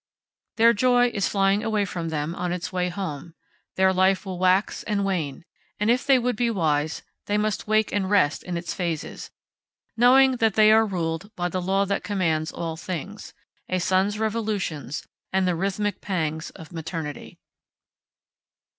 Their joy is flying away from them on its way home; their life will wax and wane; and if they would be wise, they must wake and rest in its phases, knowing that they are ruled by the law that commands all things a sun's revolutions and the rhythmic pangs of maternity.